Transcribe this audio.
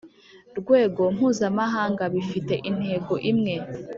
Rwego mpuzamahanga bifite intego imwe